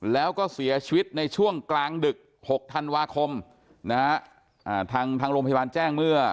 แล้วก็เสียชีวิตในช่วงกลางดึกหกธันวาคมนะฮะทางทางโรงพยาบาลแจ้งเมื่อ